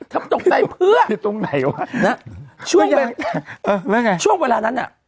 ทำตกใจเพื่อที่ตรงไหนวะนะช่วงแบบเออแล้วไงช่วงเวลานั้นอ่ะ